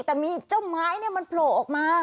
แต่มีเจ้าไม้มันโผล่ออกมา